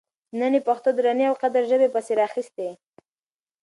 چې نن یې پښتو درنې او د قدر ژبې پسې راخیستې